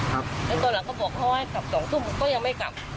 แล้วตอนหลังก็บอกเขาให้กลับ๒ทุ่มก็ยังไม่กลับ